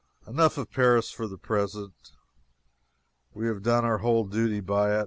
Enough of Paris for the present. We have done our whole duty by it.